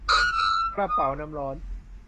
กระเป๋าน้ำร้อน